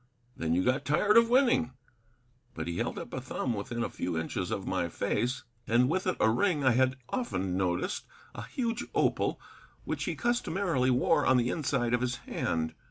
"Then you got tired of winning." But he held up a thumb within a few inches of my face, and with it a ring I had often noticed, a huge opal which he customarily wore on the inside of his hand.